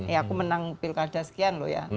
ya aku menang pilkada sekian loh ya